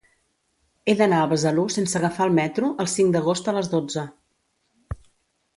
He d'anar a Besalú sense agafar el metro el cinc d'agost a les dotze.